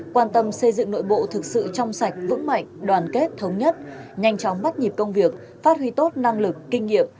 quan tâm xây dựng nội bộ thực sự trong sạch vững mạnh đoàn kết thống nhất nhanh chóng bắt nhịp công việc phát huy tốt năng lực kinh nghiệm